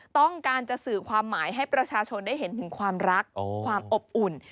ต้องการจะสื่อความหมายให้ประชาชนได้เห็นถึงความรักความอบอุ่น